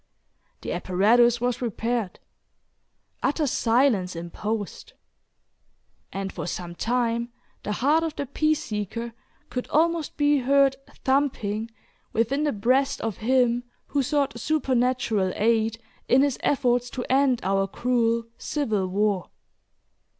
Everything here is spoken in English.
The apparatus was prepared; utter silence imposed, and for some time the heart of the peace seeker could almost be heard thumping within the breast of him who sought supernatural aid, in his efforts to end our cruel civil war.